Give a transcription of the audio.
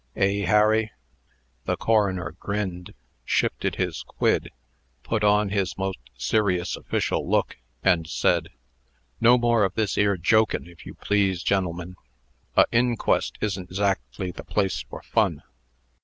Eh, Harry?" The coroner grinned, shifted his quid, put on his most serious official look, and said: "No more of this 'ere jokin', if you please, gen'lemen. A inquest isn't zactly the place for fun."